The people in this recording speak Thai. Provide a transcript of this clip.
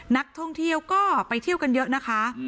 นักท่องเที่ยวก็ไปเที่ยวกันเยอะนะคะ